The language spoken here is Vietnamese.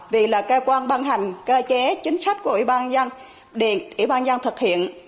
vì là cơ quan băng hành cơ chế chính sách của ủy ban nhân dân thực hiện